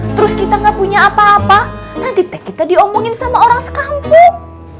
terus kita gak punya apa apa nanti teh kita diomongin sama orang sekambek